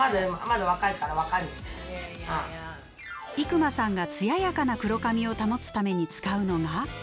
伊熊さんが艶やかな黒髪を保つために使うのが。